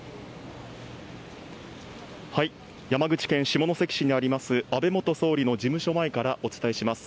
山口県下関市にある安倍元総理の事務所前からお伝えします。